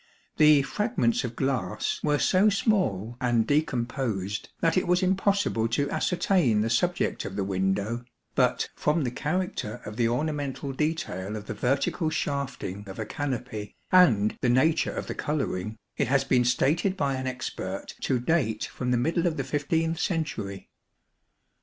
The fragments of glass were so small and decomposed that it was impossible to ascertain the subject of the window, but from the character of the ornamental detail of the vertical shafting of a canopy and the nature of the colouring, it has been stated by an expert to date from the middle of the loth century.